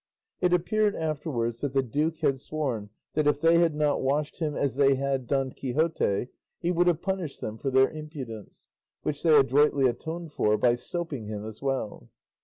It appeared afterwards that the duke had sworn that if they had not washed him as they had Don Quixote he would have punished them for their impudence, which they adroitly atoned for by soaping him as well.